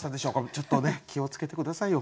ちょっとね気を付けて下さいよ